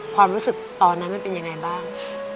ความรู้สึกตอนนั้นมันเป็นยังไงบ้าง